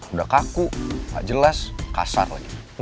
udah kaku gak jelas kasar lagi